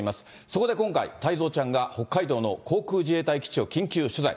そこで今回、太蔵ちゃんが北海道の航空自衛隊基地を緊急取材。